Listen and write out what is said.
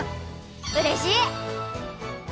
うれしい！